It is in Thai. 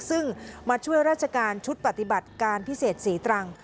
ซึ่งมาช่วยราชการชุดปฏิบัติการพิเศษศรีตรัง